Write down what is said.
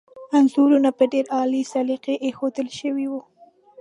انځورونه په ډېر عالي سلیقې ایښودل شوي وو.